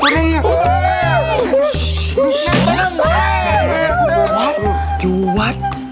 ดูวาดดูวาด